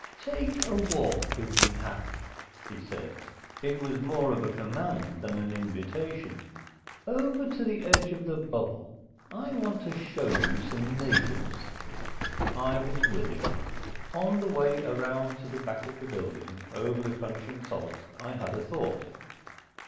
"Take a walk with me, Hap," he said. It was more of a command than an invitation. "Over to the edge of the bubble. I want to show you some natives." I was willing. On the way around to the back of the building, over the crunching salt, I had a thought.